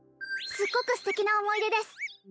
すっごくステキな思い出です